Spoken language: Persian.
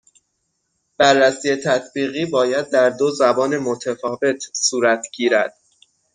بررسی تطبیقی باید در دو زبان متفاوت صورت گیرد